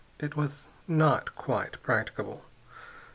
It was not quite practicable.